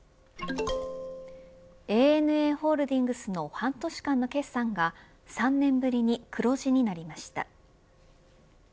ＡＮＡホールディングスの半年間の決算が３年ぶりに黒字になりました。